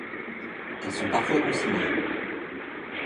Elles sont parfois consignées.